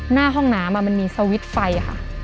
หน้าห้องน้ำมันมีสวิตช์ไฟค่ะ